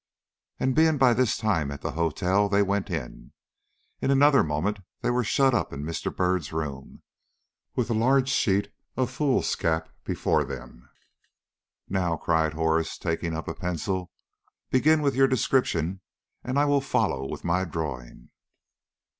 And being by this time at the hotel, they went in. In another moment they were shut up in Mr. Byrd's room, with a large sheet of foolscap before them. "Now," cried Horace, taking up a pencil, "begin with your description, and I will follow with my drawing."